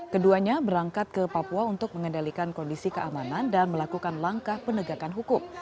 keduanya berangkat ke papua untuk mengendalikan kondisi keamanan dan melakukan langkah penegakan hukum